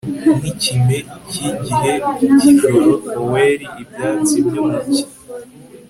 Nkikime cyigihe cyijoro oer ibyatsi byo mu cyi